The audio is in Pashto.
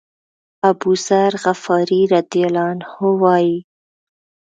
أبوذر غفاري رضی الله عنه وایي.